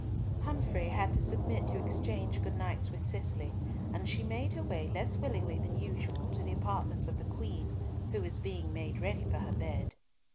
Humfrey had to submit to exchange good nights with Cicely, and she made her way less willingly than usual to the apartments of the Queen, who was being made ready for her bed.